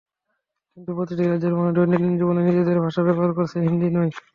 কিন্তু প্রতিটি রাজ্যের মানুষ দৈনন্দিন জীবনে নিজেদের ভাষা ব্যবহার করছে—হিন্দি নয়।